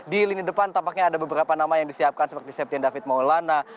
di lini depan tampaknya ada beberapa nama yang disiapkan seperti septian david maulana